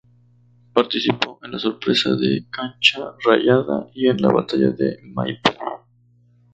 Participó en la sorpresa de Cancha Rayada y en la batalla de Maipú.